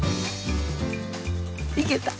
いけた！